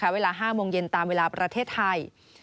เวลา๕โมงเย็นตามเวลาประเทศไทย